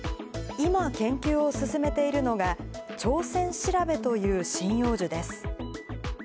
今、研究を進めているのが、チョウセンシラベという針葉樹です。